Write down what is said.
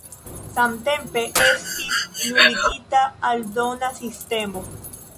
Samtempe estis nuligita aldona sistemo.